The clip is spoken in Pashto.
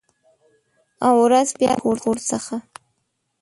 او، ورځ بیا د کور څخه